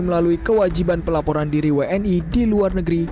melalui kewajiban pelaporan diri wni di luar negeri